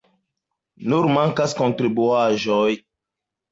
Nur mankas kontribuaĵoj.